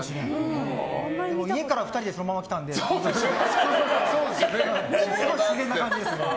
家から２人でそのまま来たのですごい自然な感じです。